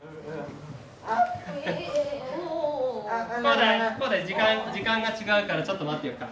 洸大時間が違うからちょっと待ってようか。